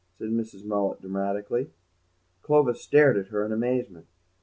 said Mrs. Mullet dramatically. Clovis stared at her in amazement.